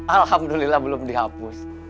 alhamdulillah belum dihapus